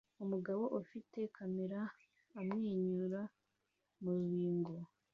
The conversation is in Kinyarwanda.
Umugabo ufite kamera amwenyura mu rubingo